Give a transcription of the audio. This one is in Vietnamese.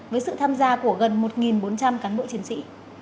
với sự tham gia của gần một bốn trăm linh cán bộ chiến sĩ